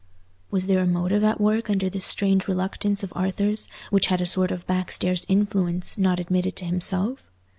Was there a motive at work under this strange reluctance of Arthur's which had a sort of backstairs influence, not admitted to himself?